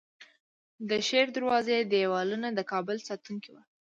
د شیردروازې دیوالونه د کابل ساتونکي وو